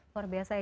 luar biasa ya